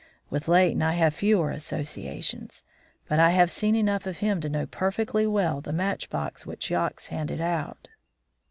With Leighton I have fewer associations; but I have seen enough of him to know perfectly well the match box which Yox handed out."